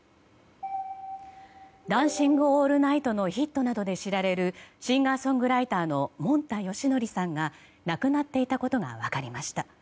「ダンシング・オールナイト」のヒットなどで知られるシンガーソングライターのもんたよしのりさんが亡くなっていたことが分かりました。